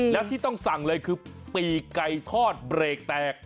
แล้วที่ต้องสั่งเลยคือปีกไก่ทอดเบรกแตก